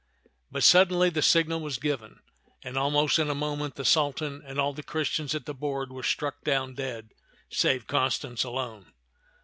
But suddenly the signal was given, and almost in a moment the Sultan and all the Christians at the board were struck down dead save Constance alone.